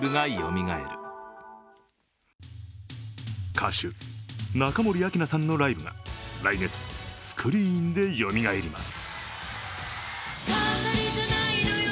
歌手・中森明菜さんのライブが来月、スクリーンでよみがえります。